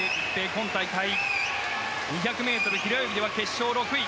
今大会、２００ｍ平泳ぎでは決勝６位。